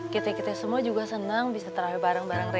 kita kita semua juga senang bisa terawih bareng bareng